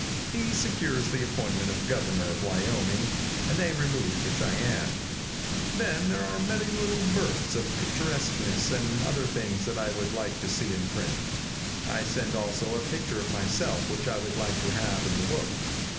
He secures the appointment of governor of Wyoming, and they remove to Cheyenne. Then there are many little bursts of pictureskness and other things that I would like to see in print. I send also a picture of myself which I would like to have in the book.